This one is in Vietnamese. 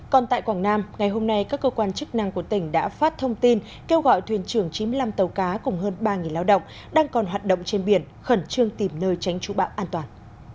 còn tại quảng nam ngày hôm nay các cơ quan chức năng của tỉnh đã phát thông tin kêu gọi thuyền trưởng chín mươi năm tàu cá cùng hơn ba lao động đang còn hoạt động trên biển khẩn trương tìm nơi tránh trụ bão an toàn